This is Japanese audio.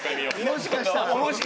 もしかしたら。